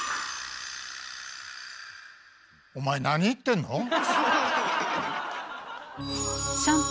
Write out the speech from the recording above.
お前なに言ってんの？